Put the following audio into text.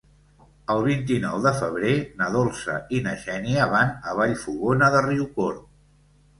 El vint-i-nou de febrer na Dolça i na Xènia van a Vallfogona de Riucorb.